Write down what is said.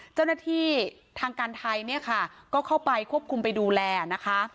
เจ้าหน้าที่ทางการไทยเนี่ยค่ะก็เข้าไปควบคุมไปดูแลนะคะ